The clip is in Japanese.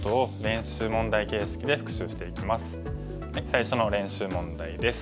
最初の練習問題です。